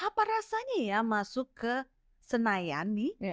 apa rasanya ya masuk ke senayan nih